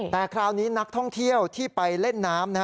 แต่คราวนี้นักท่องเที่ยวที่ไปเล่นน้ำ